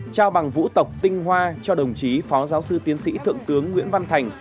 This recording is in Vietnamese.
trao bằng vũ tộc tinh hoa cho đồng chí phó giáo sư tiến sĩ thượng tướng nguyễn văn thành